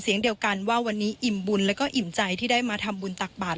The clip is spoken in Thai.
เสียงเดียวกันว่าวันนี้อิ่มบุญแล้วก็อิ่มใจที่ได้มาทำบุญตักบาท